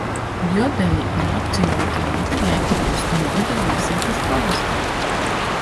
Jodeļi ir apdzīvota vieta Jēkabpils novada Viesītes pagastā.